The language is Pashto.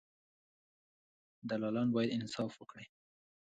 دلالان باید انصاف وکړي.